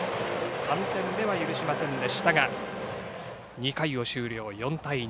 ３点目は許しませんでしたが２回を終了、４対２。